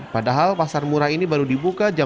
padahal pasar murah ini baru dibuka jam sepuluh